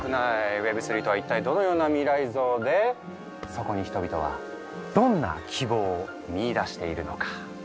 Ｗｅｂ３とはいったいどのような未来像でそこに人々はどんな希望を見いだしているのか。